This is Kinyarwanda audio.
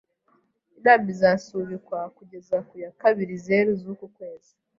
Inama izasubikwa kugeza ku ya kabirizeru z'uku kwezi.